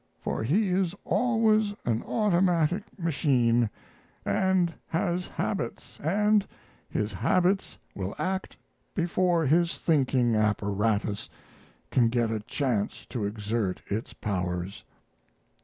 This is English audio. For he is always an automatic machine & has habits, & his habits will act before his thinking apparatus can get a chance to exert its powers.